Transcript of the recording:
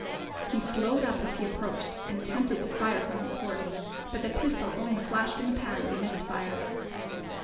He slowed up as he approached and attempted to fire from his horse, but the pistol only flashed in the pan and missed fire.